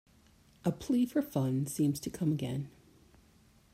A plea for funds seems to come again.